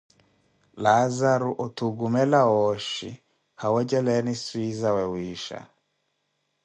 Laazaru otukhumela wooshi kha wejeleeni swiizawe wiisha.